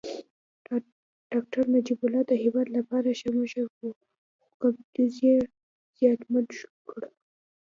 داکتر نجيب الله د هېواد لپاره ښه مشر و خو کمونيزم زیانمن کړ